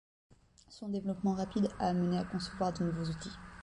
Son développement rapide a amené à concevoir de nouveaux outils.